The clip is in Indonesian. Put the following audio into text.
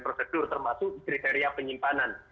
prosedur termasuk kriteria penyimpanan